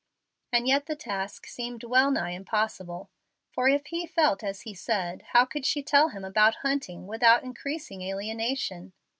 And yet the task seemed wellnigh impossible, for if he felt as he said, how could she tell him about Hunting without increasing alienation?